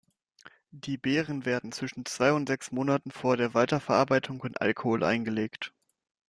Die Beeren werden zwischen zwei und sechs Monaten vor der Weiterverarbeitung in Alkohol eingelegt.